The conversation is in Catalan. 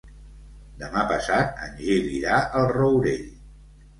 Demà passat en Gil irà al Rourell.